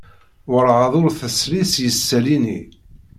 Werɛad ur tesli s yisali-nni.